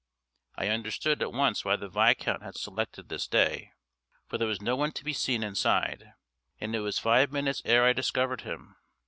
I understood at once why the Viscount had selected this day, for there was no one to be seen inside, and it was five minutes ere I discovered him.